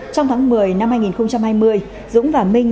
trong tháng một mươi năm hai nghìn hai mươi dũng và minh